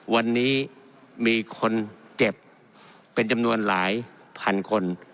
วันนี้มีคนเจ็บเป็นจำนวนหลายพันคน